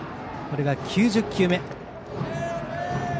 これが９０球目。